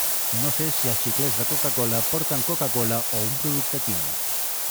No sé si els xiclets de Coca-cola porten Coca-cola o un producte químic.